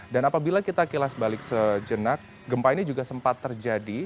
dan apabila kita kilas balik sejenak gempa ini juga sempat terjadi